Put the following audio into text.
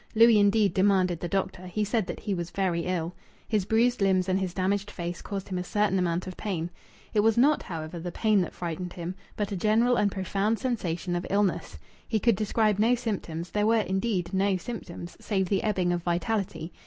Louis indeed demanded the doctor. He said that he was very ill. His bruised limbs and his damaged face caused him a certain amount of pain. It was not, however, the pain that frightened him, but a general and profound sensation of illness. He could describe no symptoms. There were indeed no symptoms save the ebbing of vitality.